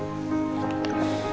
aku masih bercinta sama kamu